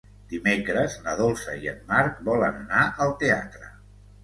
Dimecres na Dolça i en Marc volen anar al teatre.